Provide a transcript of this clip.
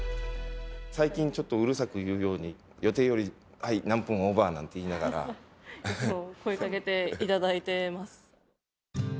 最近、ちょっとうるさく言うように、予定より、はい、声かけていただいてます。